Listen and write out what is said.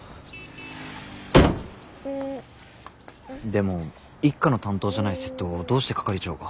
でも一課の担当じゃない窃盗をどうして係長が？